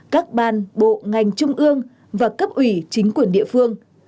các ban bộ ngành trung ương và cấp ủy chính quyền địa phương